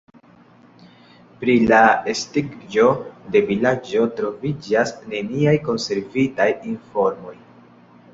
Pri la estiĝo de vilaĝo troviĝas neniaj konservitaj informoj.